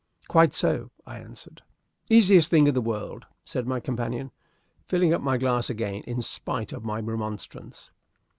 "Quite so," I answered. "Easiest thing in the world," said my companion, filling up my glass again in spite of my remonstrance.